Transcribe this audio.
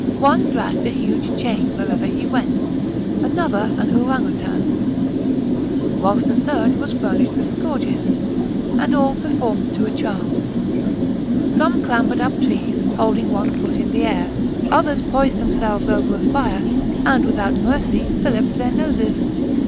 One dragged a huge chain wherever he went, another an ouranoutang, whilst a third was furnished with scourges, and all performed to a charm; some clambered up trees, holding one foot in the air; others poised themselves over a fire, and without mercy filliped their noses.